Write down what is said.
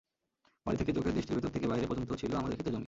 বাড়ি থেকে চোখের দৃষ্টির ভেতর থেকে বাইরে পর্যন্ত ছিল আমাদের খেতের জমি।